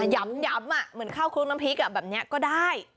ย้ำเหมือนข้าวคลุกน้ำพริกแบบนี้ก็ได้